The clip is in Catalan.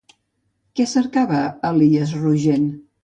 Què cercava Elies Rogent?